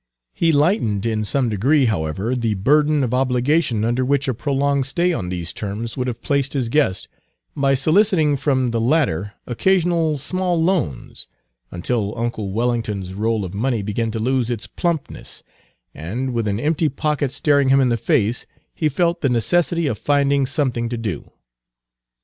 He lightened in some degree, however, the burden of obligation under which a prolonged stay on these terms would have placed his guest, by soliciting from the latter occasional small loans, until uncle Wellington's roll of money Page 235 began to lose its plumpness, and with an empty pocket staring him in the face, he felt the necessity of finding something to do.